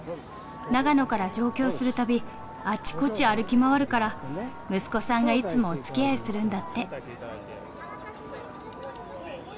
長野から上京する度あっちこち歩き回るから息子さんがいつもおつきあいするんだって。